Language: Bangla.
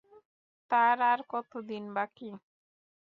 তার আর কতদিন বাকি।